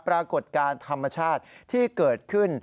ปรากฏการณ์ธรรมชาติที่เกิดขึ้น